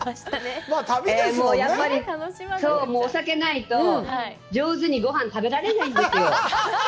そう、お酒がないと上手にごはんが食べられないんですよ。